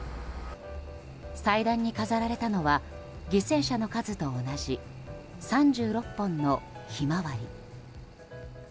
祭壇に飾られたのは犠牲者の数と同じ３６本のヒマワリ。